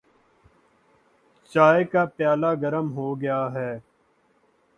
چائے کا پیالہ گرم ہوگیا ہے۔